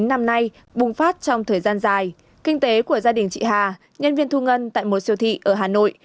năm nay bùng phát trong thời gian dài kinh tế của gia đình chị hà nhân viên thu ngân tại một siêu thị ở hà nội